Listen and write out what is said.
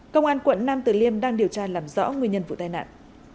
công an quận nam tử liêm đang điều tra làm rõ nguyên nhân vụ tai nạn